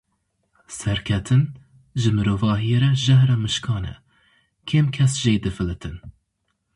Serketin, ji mirovahiyê re jehra mişkan e; kêm kes jê difilitin.